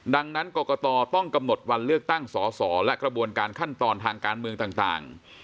ดังนั้นกรกตต้องกำหนดวันเลือกตั้งสอสอและกระบวนการขั้นตอนทางการเมืองต่าง